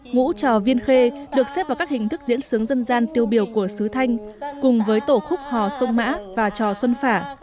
ngũ trò viên khê được xếp vào các hình thức diễn sướng dân gian tiêu biểu của sứ thanh cùng với tổ khúc hò sông mã và trò xuân phả